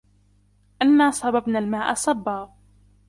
أَنَّا صَبَبْنَا الْمَاءَ صَبًّا